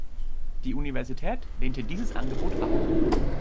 Die Universität lehnte dieses Angebot ab.